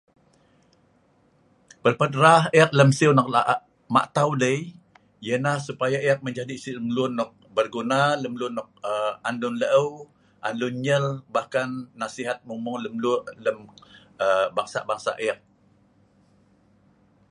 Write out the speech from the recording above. Pelpat rah ek lem siu nok lah ma' tau dei, ianah supaya ek menjadi si lemlun nok berguna lemlun nok aa an lun laeu', an lun nyel, bahkan nasihat mung-mung lem lun lem bangsah-bangsah ek.